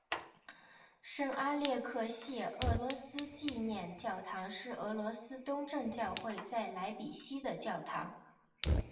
圣阿列克谢俄罗斯纪念教堂是俄罗斯东正教会在莱比锡的教堂。